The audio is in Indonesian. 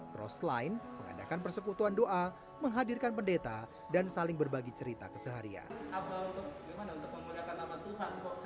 crossline mengadakan persekutuan doa menghadirkan pendeta dan saling berbagi cerita keseharian